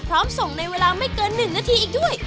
ส่งในเวลาไม่เกิน๑นาทีอีกด้วย